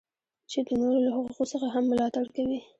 چې د نورو له حقوقو څخه هم ملاتړ کوي.